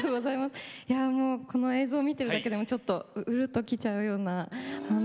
この映像を見てるだけでもちょっとウルッと来ちゃうような。